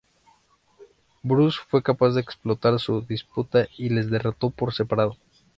Bruce fue capaz de explotar su disputa y les derrotó por separado.